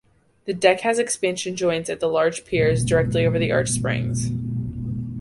The deck has expansion joints at the large piers directly over the arch springs.